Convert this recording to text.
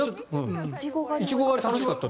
イチゴ狩りが楽しかったって。